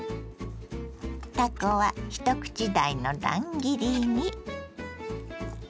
たこは一口大の乱切りに。